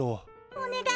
お願い！